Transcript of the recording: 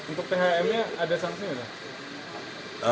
untuk thm nya ada sanksinya nggak